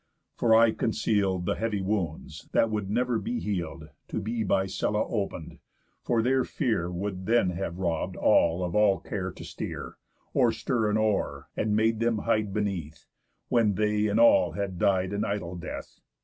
For I conceal'd The heavy wounds, that never would be heal'd, To be by Scylla open'd; for their fear Would then have robb'd all of all care to steer, Or stir an oar, and made them hide beneath, When they and all had died an idle death.